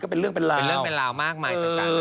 เป็นเรื่องเป็นราวเป็นเรื่องเป็นราวมากมายต่าง